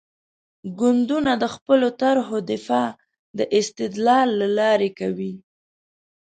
ګوندونه د خپلو طرحو دفاع د استدلال له لارې کوي.